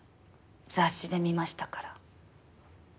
雑誌で見ましたから。